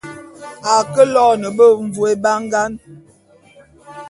A ke lone benvôé bangan .